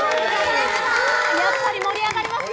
やっぱり盛り上がりますね